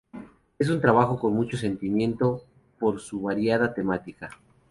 Es un trabajo con mucho sentimiento por su variada temática.